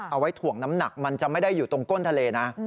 เอาไว้ถ่วงน้ำหนักมันจะไม่ได้อยู่ตรงก้นทะเลนะ